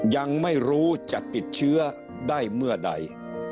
ยังไม่รู้จะติดเชื้อได้เมื่อใด